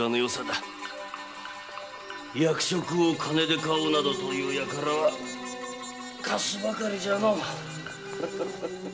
役職を金で買おうなどという輩はカスばかりじゃのう。